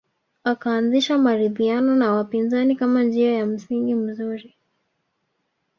Akaanzisha maridhiano na wapinzani kama njia ya msingi mizuri